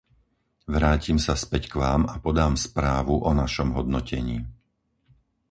Vrátim sa späť k vám a podám správu o našom hodnotení.